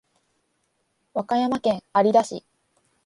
和歌山県有田市